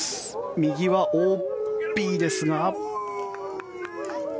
右はＯＢですが。